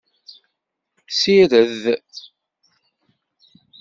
Sired.